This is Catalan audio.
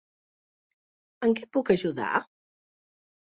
En què puc ajudar?